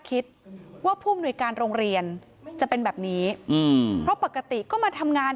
คิดว่าผู้มนุยการโรงเรียนจะเป็นแบบนี้อืมเพราะปกติก็มาทำงาน